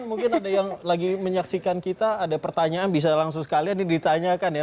mungkin ada yang lagi menyaksikan kita ada pertanyaan bisa langsung sekalian ini ditanyakan ya